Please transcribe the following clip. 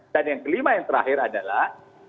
yang kelima yang terakhir adalah